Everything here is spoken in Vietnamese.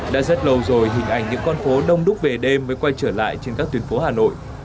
đã rất lâu rồi hình ảnh những con phố đông đúc về đêm mới quay trở lại trên các tuyến phố hà nội